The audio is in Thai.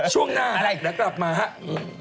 ช่วงหน้าหลังกลับมาเฮ่ยอะไร